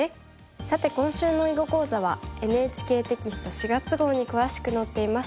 さて今週の囲碁講座はＮＨＫテキスト４月号に詳しく載っています。